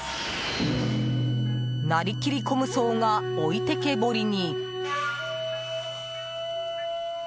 なりきり虚無僧が置いてけぼりに。